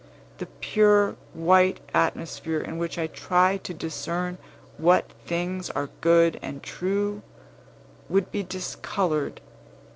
The pure, white atmosphere, in which I try to discern what things are good and true, would be discolored.